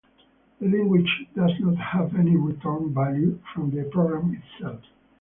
The language does not have any return value from the program itself.